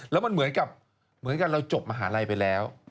แล้วมันเหมือนกับเหมือนกันเราจบมหาลัยไปแล้ว